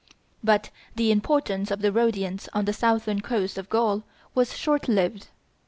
But the importance of the Rhodians on the southern coast of Gaul was short lived.